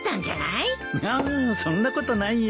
いやそんなことないよ